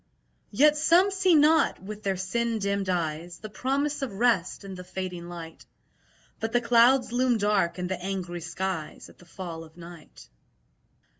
Yet some see not (with their sin dimmed eyes) The promise of rest in the fading light; But the clouds loom dark in the angry skies At the fall of night.